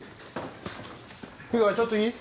湯川ちょっといい？